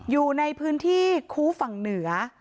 อยู่ในพื้นที่คูฝั่งเหนือ